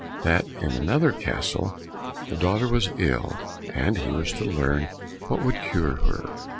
—that in another castle the daughter was ill, and he was to learn what would cure her?